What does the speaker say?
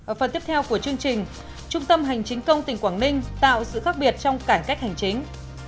ở phần tiếp theo của chương trình trung tâm hành chính công tỉnh quảng ninh tạo sự khác biệt trong cải cách hành chính